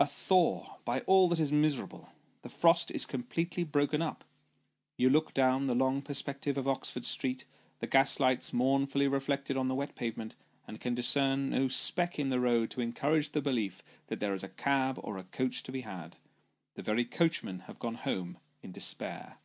A thaw, by all that is miserable ! The frost is completely broken up. You look down the long perspective of Oxford street, the gas lights mournfully reflected on the wet pavement, and can discern no speck in the road to encourage the belief that there is a cab or a coach to be had the very coachmen have gone home in despair.